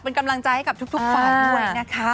เป็นกำลังใจให้กับทุกฝ่ายด้วยนะคะ